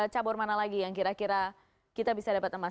cabur mana lagi yang kira kira kita bisa dapat emas